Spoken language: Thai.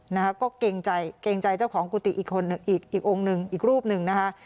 นะคะก็เกรงใจเกรงใจเจ้าของกุฏิอีกคนหนึ่งอีกอีกองค์หนึ่งอีกรูปหนึ่งนะคะ